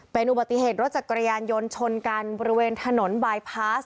เป็นอุบัติเหตุรถจักรยานยนต์ชนกันบริเวณถนนบายพาส